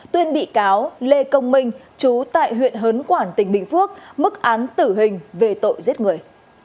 tuyên bị cáo lê công minh chú tại huyện hớn quản tỉnh bình phước mức án tử hình về tội giết người